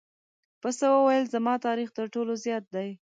پسه وویل زما تاریخ تر ټولو زیات دی.